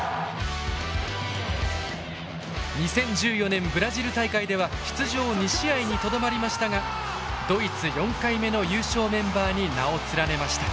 ２０１４年ブラジル大会では出場２試合にとどまりましたがドイツ４回目の優勝メンバーに名を連ねました。